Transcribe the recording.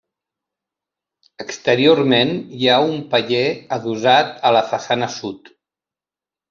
Exteriorment hi ha un paller adossat a la façana sud.